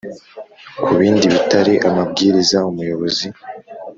ku bindi bitari amabwiriza Umuyobozi